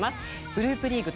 グループリーグ